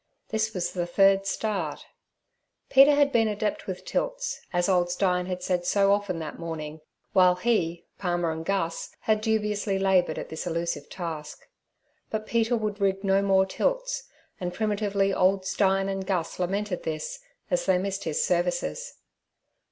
This was the third start. Peter had been an adept with tilts, as old Stein had said so often that morning, while he, Palmer, and Gus, had dubiously laboured at this elusive task. But Peter would rig no more tilts, and primitively old Stein and Gus lamented this, as they missed his services.